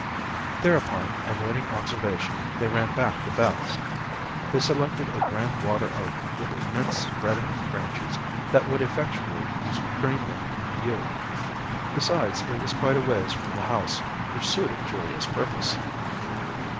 Thereupon, avoiding observation, they ran back to Beth's. They selected a grand water oak with immense spreading branches that would effectually screen them from view. Besides, it was quite a ways from the house, which suited Julia's purpose.